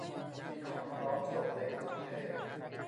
มีของพร้อมส่งในกรุงเทพ